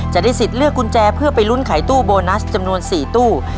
จะได้สิทธิ์เลือกกุญแจเพื่อไปลุ้นไขตู้โบนัสจำนวน๔ตู้